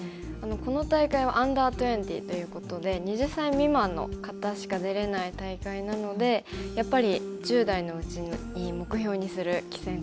この大会はＵ−２０ということで２０歳未満の方しか出れない大会なのでやっぱり１０代のうちに目標にする棋戦かなと思いますね。